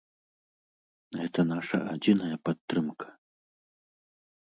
Гэта наша адзіная падтрымка.